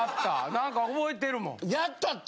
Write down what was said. なんか覚えてるもん。